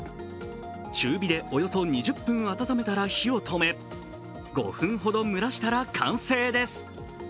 中火でおよそ２０分温めたら火を止め５分程蒸らしたら完成です。